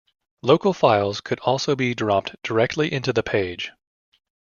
Local files could also be dropped directly into the page.